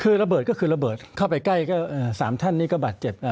คือระเบิดก็คือระเบิดเข้าไปใกล้ก็๓ท่านนี้ก็บาดเจ็บ